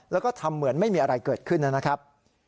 แล้วก็ทำเหมือนไม่มีอะไรเกิดขึ้นนะครับ